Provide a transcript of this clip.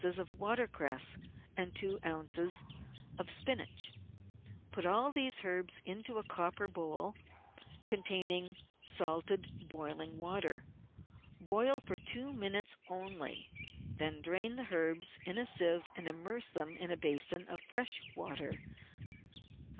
of water cress and two oz. of spinach. Put all these herbs into a copper bowl containing salted, boiling water. Boil for two minutes only; then drain the herbs in a sieve and immerse them in a basin of fresh water.